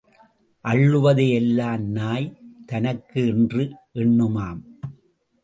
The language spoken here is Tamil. அள்ளுவது எல்லாம் நாய் தனக்கு என்று எண்ணுமாம்.